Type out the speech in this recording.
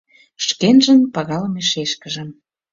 Шкенжын пагалыме шешкыжым